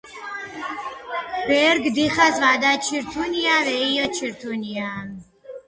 ბერგი დიხას ვადაჩირთჷნია ვეჲოჩირთუნია